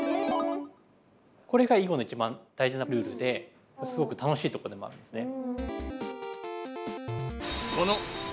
これが囲碁の一番大事なルールですごく楽しいとこでもあるんですね。